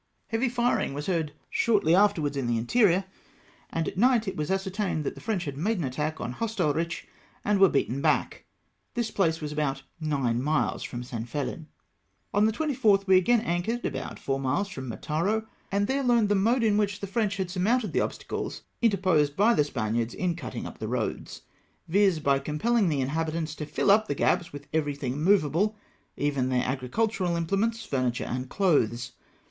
Heavy firing was heard shortly afterwards in the interior, and at night it was ascertained that the French had made an attack on Hostalrich and were beaten back. This place was about nine miles from San Fehn. On the 24th we again anchored about four miles from Mataro, and there learned the mode in which the French had surmounted the obstacles interposed by the s2 2G0 EMBARK THE EXEMY S GUXS. Spaniards in cutting up the roads, viz. by compelling the inhabitants to fill' up the gaps with everything movable, even to their agricultural implements, fiurni ture, and clothes.